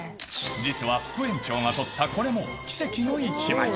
実は副園長が撮ったこれも、奇跡の１枚。